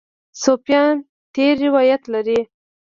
صوفیان تېر روایت لري.